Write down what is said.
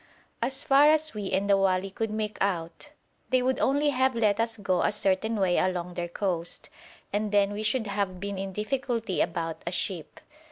As far as we and the wali could make out, they would only have let us go a certain way along their coast, and then we should have been in difficulty about a ship.